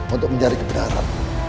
untuk mencari kebenaran